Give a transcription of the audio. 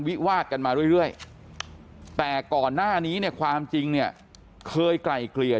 วิวาดกันมาเรื่อยแต่ก่อนหน้านี้เนี่ยความจริงเนี่ยเคยไกล่เกลี่ย